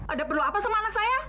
ada perlu apa sama anak saya